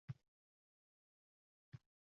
Banorasxon bir pana joyda turibdi.